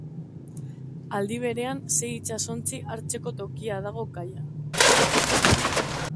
Aldi berean sei itsasontzi hartzeko tokia dago kaian.